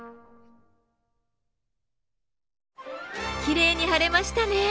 きれいに貼れましたね。